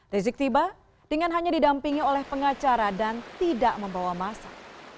rizik tiba dengan hanya didampingi oleh pengacara dan tidak membawa masa